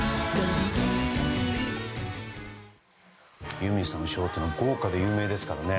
ユーミンさんのショーって豪華で有名ですからね。